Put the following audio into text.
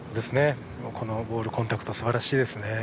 このボールコンタクトすばらしいですね。